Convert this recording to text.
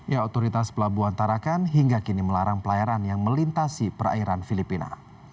ya otoritas pelabuhan tarakan hingga kini melarang pelayaran yang melintasi perairan filipina